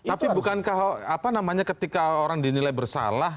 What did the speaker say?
tapi bukan ketika orang dinilai bersalah